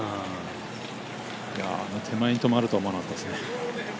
あの手前に止まるとは思わなかったですね。